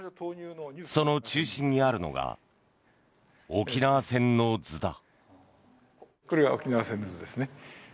その中心にあるのが「沖縄戦の図」だ。